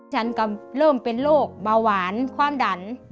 ฉันก็เริ่มเป็นโรคเบาหวานความดัน